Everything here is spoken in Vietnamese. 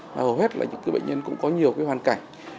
mà hầu hết là những bệnh nhân cũng có nhiều cái hoàn cảnh